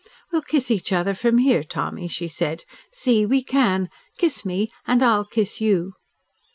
"We'll kiss each other from here, Tommy," she said. "See, we can. Kiss me, and I will kiss you."